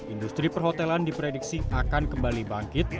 industri perhotelan diprediksi akan kembali bangkit